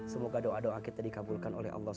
semoga doa doa kita dikabulkan oleh allah